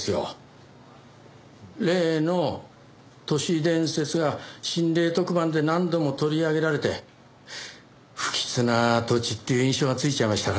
例の都市伝説が心霊特番で何度も取り上げられて不吉な土地っていう印象がついちゃいましたからね。